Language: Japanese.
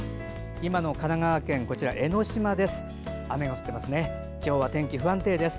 今の神奈川県江の島です。